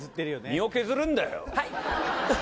身を削るんだよ。